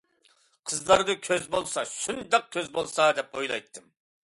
قىزلاردا كۆز بولسا شۇنداق كۆز بولسا دەپ ئويلايتتىم.